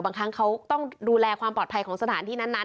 บางครั้งเขาต้องดูแลความปลอดภัยของสถานที่นั้น